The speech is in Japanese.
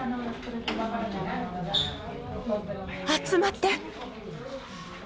集まって。